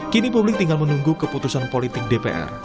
kini publik tinggal menunggu keputusan politik dpr